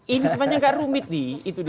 ini sebenarnya agak rumit